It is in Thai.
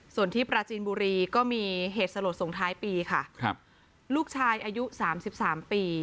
ส่วนที่ปราจีนบุรีก็มีเหตุสลดส่งท้ายปีค่ะครับลูกชายอายุสามสิบสามปี